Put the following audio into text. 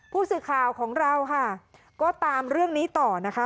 ผู้สื่อข่าวของเราค่ะก็ตามเรื่องนี้ต่อนะคะ